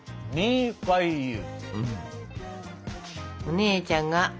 ミーファイユー。